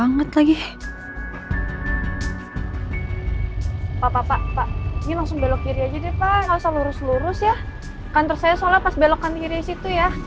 nggak usah lurus lurus ya kantor saya soalnya pas belok kan kiri situ ya